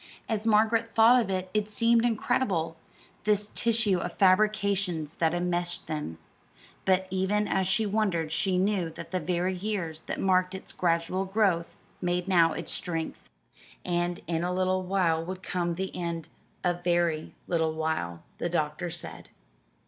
As Margaret thought of it it seemed incredible this tissue of fabrications that enmeshed them; but even as she wondered she knew that the very years that marked its gradual growth made now its strength. And in a little while would come the end a very little while, the doctor said.